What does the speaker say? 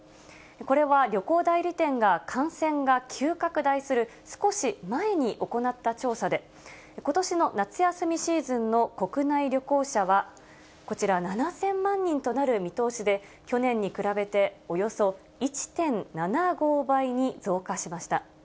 これは旅行代理店が感染が急拡大する少し前に行った調査で、ことしの夏休みシーズンの国内旅行者は、こちら７０００万人となる見通しで、去年に比べて、およそ１．７５倍に増加しました。